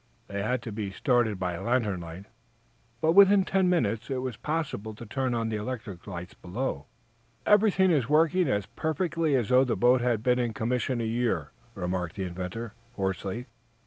The work had to be started by lantern light, but, within ten minutes, it was possible to turn on electric lights below. "Everything is working as perfectly as though the boat had been in commission a year," remarked the inventor, hoarsely.